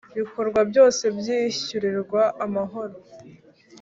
bikorwa byose byishyurirwa amahoro